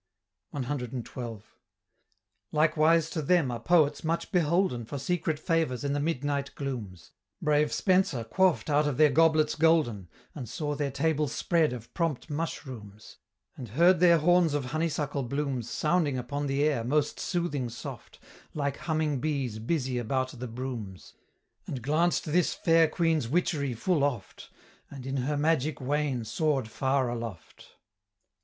CXII. "Likewise to them are Poets much beholden For secret favors in the midnight glooms; Brave Spenser quaff'd out of their goblets golden, And saw their tables spread of prompt mushrooms, And heard their horns of honeysuckle blooms Sounding upon the air most soothing soft, Like humming bees busy about the brooms, And glanced this fair queen's witchery full oft, And in her magic wain soar'd far aloft."